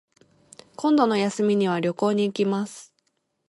今度の休みには旅行に行きます